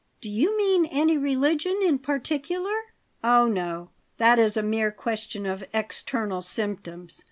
"Do you mean any religion in particular?" "Oh, no! That is a mere question of external symptoms.